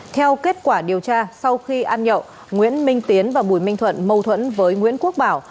theo kết quả điều tra sau khi ăn nhậu nguyễn minh tiến và bùi minh thuận mâu thuẫn với nguyễn quốc bảo